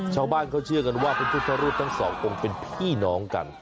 ชาวบ้านเขาเชื่อกันว่าพระพุทธรูปทั้งสององค์เป็นพี่น้องกัน